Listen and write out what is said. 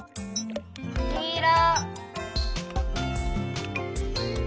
きいろ！